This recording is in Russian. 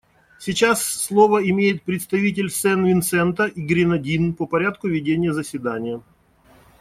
Сейчас слово имеет представитель Сент-Винсента и Гренадин по порядку ведения заседания.